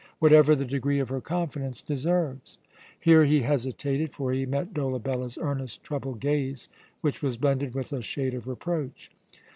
"Whatever the degree of her confidence deserves." Here he hesitated, for he met Dolabella's earnest, troubled gaze, which was blended with a shade of reproach.